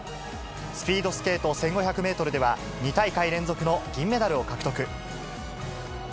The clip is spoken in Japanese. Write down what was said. スピードスケート１５００メートルでは、２大会連続の銀メダルを獲得。